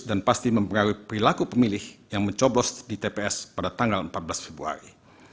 dan pasti mempengaruhi perilaku pemilih yang mencobos di tps pada tanggal empat belas februari